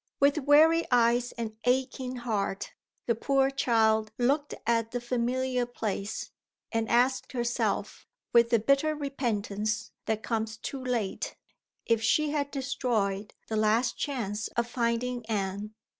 With weary eyes and aching heart the poor child looked at the familiar place; and asked herself, with the bitter repentance that comes too late, if she had destroyed the last chance of finding Anne!